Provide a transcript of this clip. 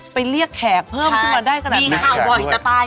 ไปเรียกแขกเพิ่มว่าได้ขนาดนั้นใช่